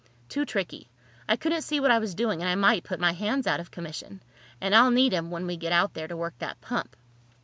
"Too tricky. I couldn't see what I was doing and I might put my hands out of commission. And I'll need 'em when we get out there to work that pump.